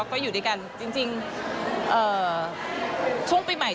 ก็อยู่ด้วยกันจริงช่วงปีใหม่